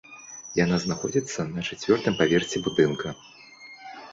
Яна знаходзіцца на чацвёртым паверсе будынка.